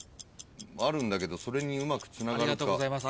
あるんだけどそれにうまくつながるか。